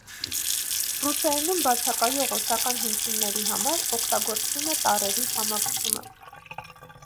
Ռուսերենում բացակայող օսական հնչյունների համար օգտագործվում է տառերի համակցումը։